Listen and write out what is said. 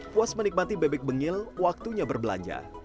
puas menikmati bebek bengil waktunya berbelanja